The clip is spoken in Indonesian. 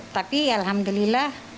tapi ya alhamdulillah